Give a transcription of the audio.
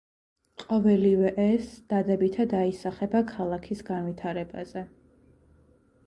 ყოველივე ეს დადებითად აისახება ქალაქის განვითარებაზე.